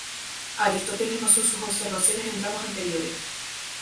Aristóteles basó sus observaciones en dramas anteriores.